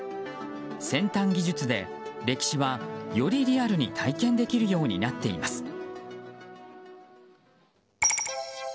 先端技術で、歴史はよりリアルに体験できるようになっています。